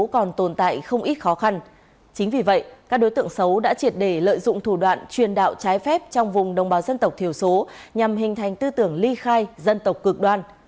chính vì vậy các đối tượng xấu đã triệt để lợi dụng thủ đoạn truyền đạo trái phép trong vùng đồng bào dân tộc thiểu số nhằm hình thành tư tưởng ly khai dân tộc cực đoan